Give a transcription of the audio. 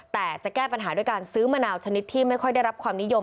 แต่จะแก้ปัญหาด้วยการซื้อมะนาวชนิดที่ไม่ค่อยได้รับความนิยม